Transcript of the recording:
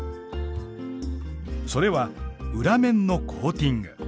それは裏面のコーティング。